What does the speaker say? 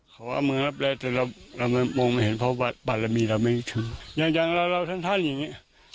เขาว่าเมืองลับแลแต่เราเรามันมองไม่เห็นเพราะว่าบารมีเราไม่รู้ถึงอย่างอย่างเราเราท่านท่านอย่างเงี้ย